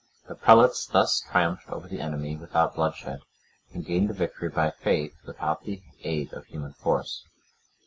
The prelates thus triumphed over the enemy without bloodshed, and gained a victory by faith, without the aid of human force.